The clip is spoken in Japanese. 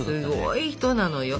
すごい人なのよ。